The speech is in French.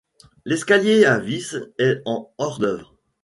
L'escalier à vis est en hors-d'œuvre.